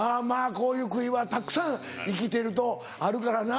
こういう悔いはたくさん生きてるとあるからな。